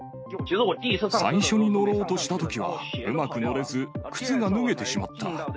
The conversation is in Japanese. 最初に乗ろうとしたときは、うまく乗れず、靴が脱げてしまった。